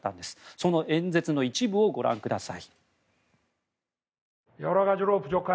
その演説の一部をご覧ください。